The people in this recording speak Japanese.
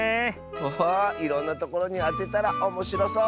ハハーいろんなところにあてたらおもしろそう！